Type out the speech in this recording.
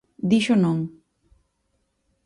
Dixo non.